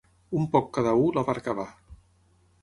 Un poc cada u, la barca va.